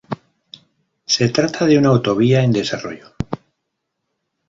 Se trata de una autovía en desarrollo.